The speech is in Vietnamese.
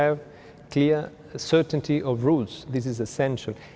và trong việc này